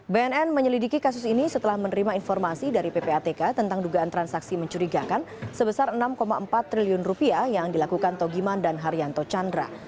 bnn menyelidiki kasus ini setelah menerima informasi dari ppatk tentang dugaan transaksi mencurigakan sebesar enam empat triliun rupiah yang dilakukan togiman dan haryanto chandra